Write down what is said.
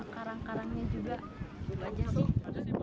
keindahannya sih cuma